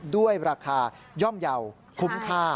ด้วยราคาย่อมเยาว์คุ้มค่า